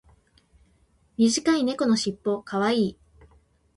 短い猫のしっぽ可愛い。